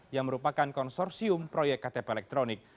yang merupakan konsorsium proyek ktp elektronik